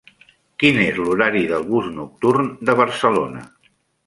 Quin és l'horari del bus nocturn de Barcelona?